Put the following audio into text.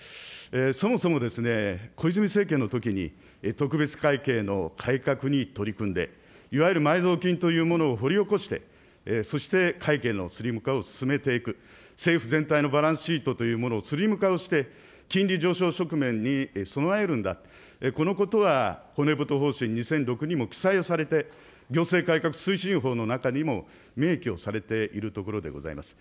そもそも、小泉政権のときに、特別会計の改革に取り組んで、いわゆる埋蔵金というものを掘り起こして、そして会計のスリム化を進めていく、政府全体のバランスシートというものをスリム化をして、金利上昇側面に備えるんだ、このことは骨太方針２００６にも記載されて、行政改革推進法の中にも明記をされているところでございます。